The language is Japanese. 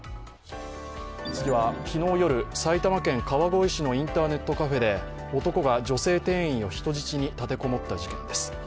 次は昨日夜、埼玉県川口市のインターネットカフェで男が女性店員を人質に立て籠もった事件です。